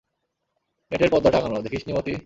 নেটের পর্দা টাঙানো, দেখিসনি মতি?